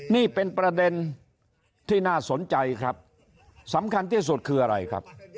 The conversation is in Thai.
นี่เป็นประเด็นที่น่าสนใจครับสำคัญที่สุดคืออะไรครับ